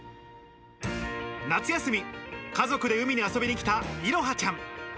夏休み、家族で海に遊びにきたいろはちゃん。